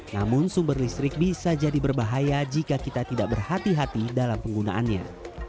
namun sumber listrik bisa jadi berbahaya jika kita tidak berhati hati dalam penggunaannya